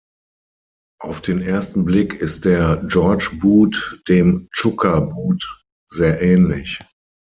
Auf den ersten Blick ist der "George-Boot" dem "Chukka-Boot" sehr ähnlich.